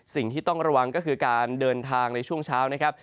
สิ่งที่ต้องระวังก็คือการเดินทางในช่วงเช้านะครับ